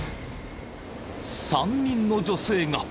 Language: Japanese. ［３人の女性が］